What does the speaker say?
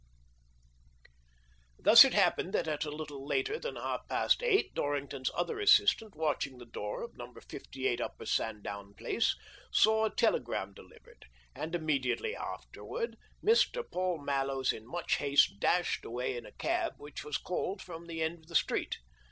Thus it happened that at a little later than half past eight Dorrington's other assistant, watch ing the door of No. 58, Upper Sandown Place, saw a telegram delivered, and immediately after ward Mr. Paul Mallows in much haste dashed away in a cab which was called from the end of the street.